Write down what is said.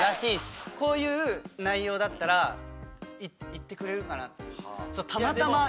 こういう内容だったら行ってくれるかなっていう。